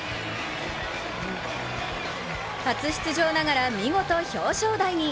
初出場ながら見事表彰台に。